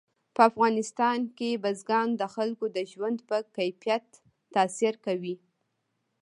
په افغانستان کې بزګان د خلکو د ژوند په کیفیت تاثیر کوي.